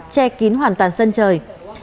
che kín hoàn toàn sân trời